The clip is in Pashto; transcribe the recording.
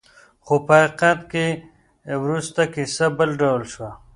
خو په حقیقت کې وروسته کیسه بل ډول شوه.